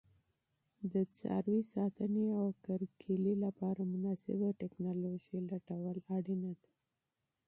د څاروي ساتنې او کرکیلې لپاره مناسبه تکنالوژي لټول ضروري دي.